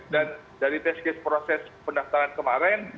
dan dari atas kes proses pendaftaran kemarin